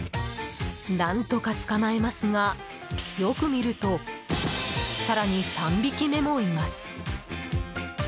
何とか捕まえますがよく見ると更に３匹目もいます。